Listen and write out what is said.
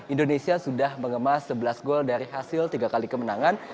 indonesia sudah mengemas sebelas gol dari hasil tiga kali kemenangan